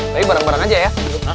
tapi bareng bareng aja ya